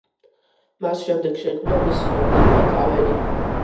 მას შემდეგ შეიქმნა მისი რამდენიმე ქავერი.